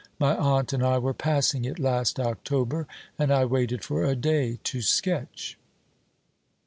My aunt and I were passing it last October, and I waited for a day, to sketch.'